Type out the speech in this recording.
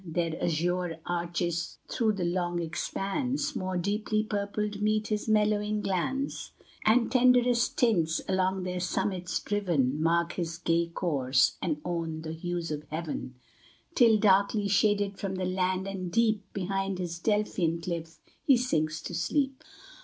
Their azure arches through the long expanse, More deeply purpled meet his mellowing glance, And tenderest tints, along their summits driven, Mark his gay course, and own the hues of heaven; Till, darkly shaded from the land and deep, Behind his Delphian cliff he sinks to sleep.